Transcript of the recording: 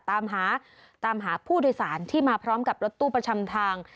ตามหาผู้โดยสารที่มาพร้อมกับรถตู้ประจำทาง